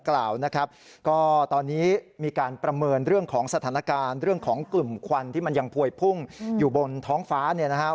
แล้วก็มีรายงานออกมาว่า